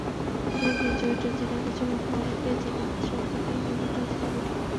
চেনা কিছু চরিত্র, চেনা কিছু ঘটনা, অনেকটাই চেনা সংকট নিয়েই নির্মিত হয়েছে ছবিটি।